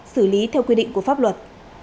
xử lý theo quy định của pháp luật